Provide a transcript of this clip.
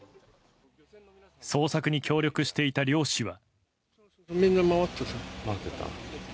捜索に協力していた漁師は。